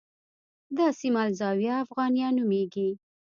دا سیمه الزاویة الافغانیه نومېږي.